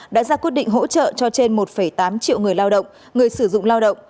đã ra quyết định hỗ trợ cho trên một tám triệu người lao động người sử dụng lao động